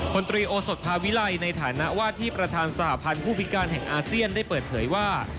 นตรีโอสดภาวิลัยในฐานะว่าที่ประธานสหพันธ์ผู้พิการแห่งอาเซียนได้เปิดเผยว่า